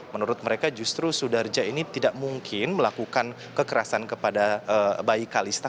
menurut mereka justru sudarja ini tidak mungkin melakukan kekerasan kepada bayi kalista